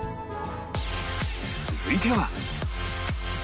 続いては